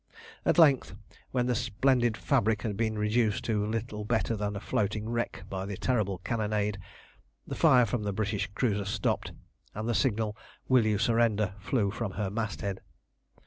At length, when the splendid fabric had been reduced to little better than a floating wreck by the terrible cannonade, the fire from the British cruiser stopped, and the signal "Will you surrender?" flew from her masthead.